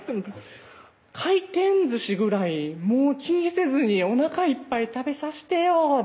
回転寿司ぐらいもう気にせずにおなかいっぱい食べさしてよ